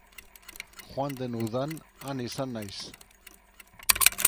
Joan den udan han izan naiz.